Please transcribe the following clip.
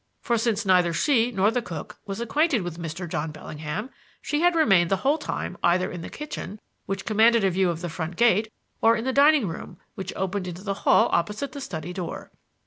For since neither she nor the cook was acquainted with Mr. John Bellingham, she had remained the whole time either in the kitchen, which commanded a view of the front gate, or in the dining room, which opened into the hall opposite the study door.